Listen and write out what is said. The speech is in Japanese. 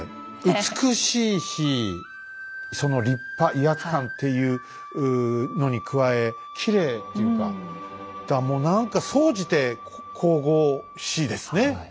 美しいしその立派威圧感っていうのに加えきれいというかもう何か総じて神々しいですね。